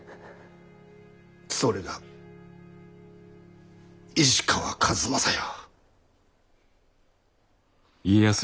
それが石川数正よ。